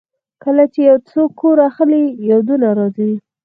کله چې یو څوک کور اخلي، یادونه راځي.